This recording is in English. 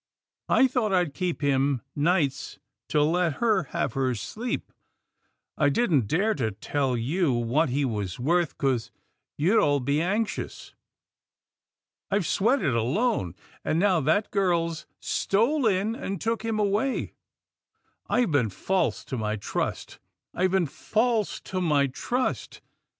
I thought I'd keep him nights to let her have her sleep. I didn't dare to tell you what he was worth, 'cause you'd all be anxious. I've sweated alone, and now that girl's stole in and took him away — I've been false to my trust — I've been false to my trust !